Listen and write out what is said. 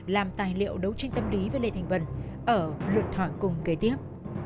làm tài liệu đấu tranh tâm lý với lê thành vân ở lượt hỏi cùng kế tiếp